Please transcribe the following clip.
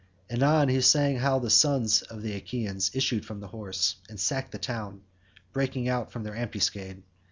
Anon he sang how the sons of the Achaeans issued from the horse, and sacked the town, breaking out from their ambuscade.